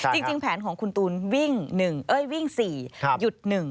จริงแผนของคุณตูนวิ่ง๔หยุด๑